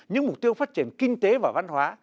những mục tiêu phát triển kinh tế và văn hóa